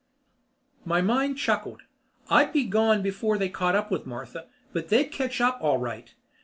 My mind chuckled. I'd be gone before they caught up with Martha, but they'd catch up all right.